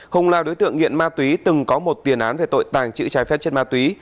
hùng là đối tượng nghiện ma túy từng có một tiền án về tội tàng trữ trái phép chất ma túy